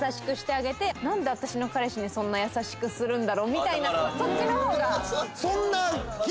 みたいなそっちの方が。